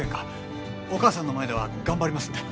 お母さんの前では頑張りますんで。